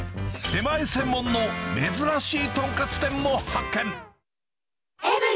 出前専門の珍しい豚カツ店も発見。